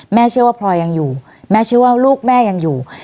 เชื่อว่าพลอยยังอยู่แม่เชื่อว่าลูกแม่ยังอยู่